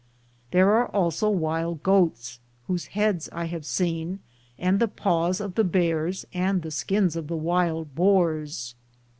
There: are also wild goats, whose heads I have seen, and the paws of the bears and the skins df the wild boars.